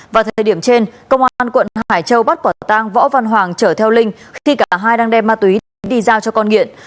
vào thời điểm trên công an quận hải châu bắt quả tang võ văn hoàng chở theo linh khi cả hai đang đem ma túy đến đi giao cho con nghiện